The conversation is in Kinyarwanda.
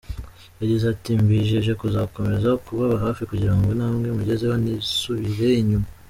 Yagize ati « Mbijeje kuzakomeza kubaba hafi kugira ngo intambwe mugezeho ntisubire inyuma.